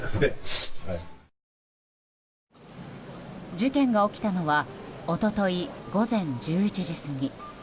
事件が起きたのは一昨日午前１１時過ぎ。